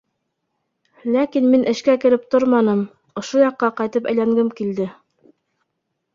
Ләкин мин эшкә кереп торманым, ошо яҡҡа ҡайтып әйләнгем килде.